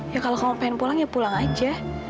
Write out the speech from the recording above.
ya kalau kamu pengen pulang ya pulang aja